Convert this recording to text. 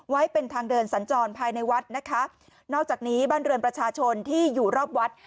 ไว้เป็นทางเดินสัญจรภายในวัดนะคะนอกจากนี้บ้านเรือนประชาชนที่อยู่รอบวัด